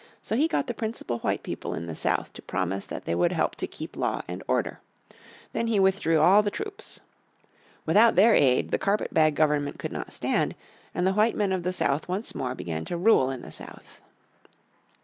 So he got the principal white people in the South to promise that they would help to keep law and order. Then he withdrew all the troops. Without their aid the carpet bag government could not stand, and the white men of the South once more began to rule in the South.